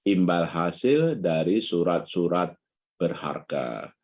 imbal hasil dari surat surat berharga